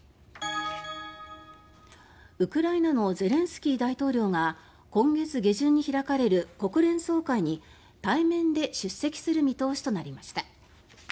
ウクライナのゼレンスキー大統領が今月下旬に開かれる国連総会に対面で出席する見通しとなりました。